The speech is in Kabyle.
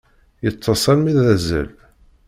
Yeṭṭes almi d azal.